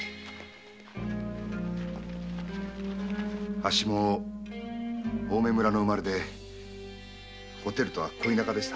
あっしも青梅村の生まれでおてるとは恋仲でした。